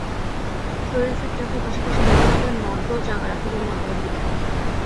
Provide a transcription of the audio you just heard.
শরীর ফিট রাখার পাশাপাশি ব্যাডমিন্টন মনকেও চাঙা রাখে বলে মনে করেন দীপিকা।